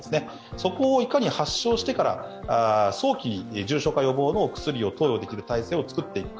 そこをいかに発症してから早期に重症化予防のお薬を投与できる体制を作っていくか